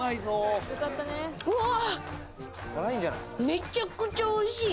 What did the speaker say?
めちゃくちゃおいしい！